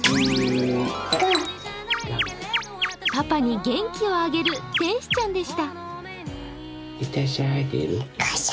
パパに元気をあげる天使ちゃんでした。